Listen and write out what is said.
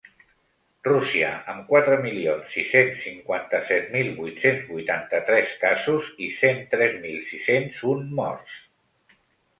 Rússia, amb quatre milions sis-cents cinquanta-set mil vuit-cents vuitanta-tres casos i cent tres mil sis-cents un morts.